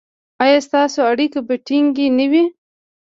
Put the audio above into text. ایا ستاسو اړیکې به ټینګې نه وي؟